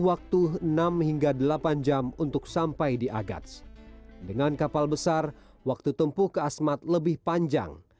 waktu enam hingga delapan jam untuk sampai di agats dengan kapal besar waktu tempuh ke asmat lebih panjang